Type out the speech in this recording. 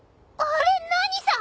あれ何さ？